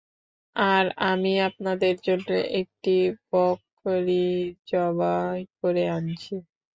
আর আমি আপনার জন্য একটি বকরী যবাহ করে আনছি।